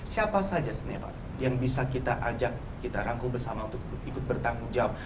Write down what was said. siapa saja senior yang bisa kita ajak kita rangkum bersama untuk ikut bertanggung jawab